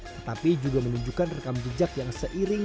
tetapi juga menunjukkan rekam jejak yang seiring